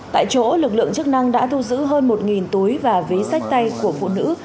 tại chỗ lực lượng chức năng đã thu giữ hơn một túi và ví sách tay của phụ nữ